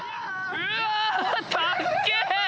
うわ！